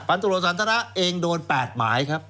พันธุโรสันตนาเองโดน๘หมายครับ